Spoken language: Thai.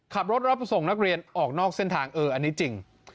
รับส่งนักเรียนออกนอกเส้นทางเอออันนี้จริง